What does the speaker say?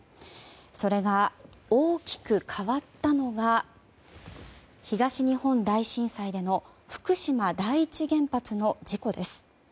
それが、大きく変わったのが東日本大震災での福島第一原発の事故です。